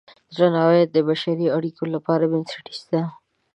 درناوی د بشري اړیکو لپاره بنسټیز دی.